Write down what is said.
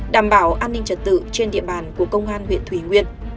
đảm bảo an ninh trật tự trên địa bàn của công an huyện thủy nguyên